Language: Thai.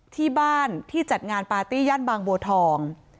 ที่บ้านที่จัดงานปาร์ตี้ย่านบางบัวทอง